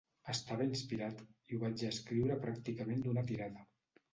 Estava inspirat i ho vaig escriure pràcticament d'una tirada.